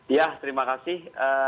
ya terima kasih